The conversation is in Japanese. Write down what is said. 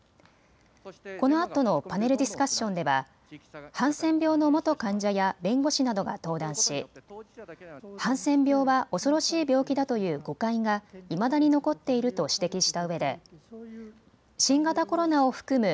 このあとのパネルディスカッションではハンセン病の元患者や弁護士などが登壇しハンセン病は恐ろしい病気だという誤解がいまだに残っていると指摘したうえで新型コロナを含む